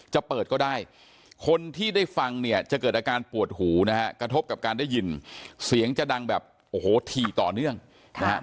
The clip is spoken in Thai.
จะเปิดก็ได้คนที่ได้ฟังเนี่ยจะเกิดอาการปวดหูนะฮะกระทบกับการได้ยินเสียงจะดังแบบโอ้โหถี่ต่อเนื่องนะฮะ